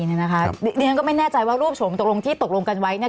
เรื่องนี้ก็ไม่แน่ใจว่ารูปโฉมที่ตกลงกันไว้คือ